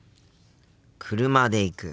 車で行く。